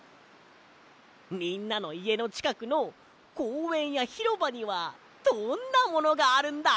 みんなのいえのちかくのこうえんやひろばにはどんなものがあるんだ？